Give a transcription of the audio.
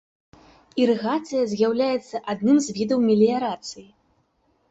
Ірыгацыя з'яўляецца адным з відаў меліярацыі.